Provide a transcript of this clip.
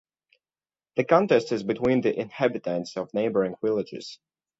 The contest is between the inhabitants of neighboring villages.